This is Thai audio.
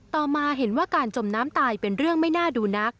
ต่อมาเห็นว่าการจมน้ำตายเป็นเรื่องไม่น่าดูนัก